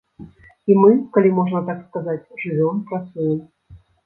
І мы, калі можна так сказаць, жывём, працуем.